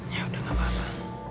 yaudah gak apa apa